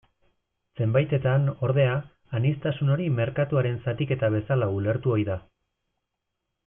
Zenbaitetan, ordea, aniztasun hori merkatuaren zatiketa bezala ulertu ohi da.